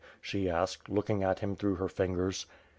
she asked, looking at him through her fingers.